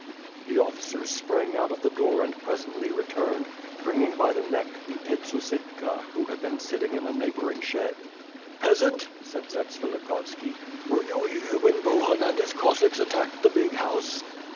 The officers sprang out of the door and presently returned, bringing by the neck the "pidsusidka," who had been sitting in a neighboring shed. "Peasant," said Zatsvilikhovsld, "were you here when Bohun and his Cossacks attacked the big house?"